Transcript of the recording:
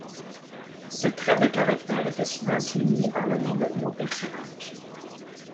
Ce trait de caractère était souvent souligné par le nom donné au personnage.